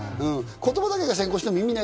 言葉だけが先行しても意味な